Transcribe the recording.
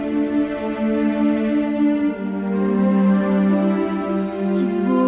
dini pengen ketemu dina bu